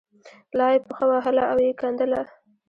لا یې پښه وهله او یې کیندله.